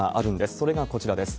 それがこちらです。